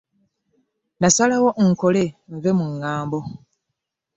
Nasalawo nkole nve mu ŋŋambo.